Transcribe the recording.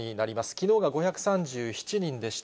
きのうが５３７人でした。